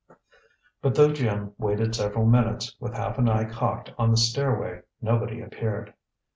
But though Jim waited several minutes, with half an eye cocked on the stairway, nobody appeared.